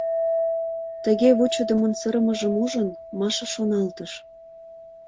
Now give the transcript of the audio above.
— тыге вучыдымын сырымыжым ужын, Маша шоналтыш.